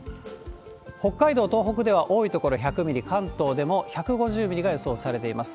北海道、東北では多い所で１００ミリ、関東でも１５０ミリが予想されています。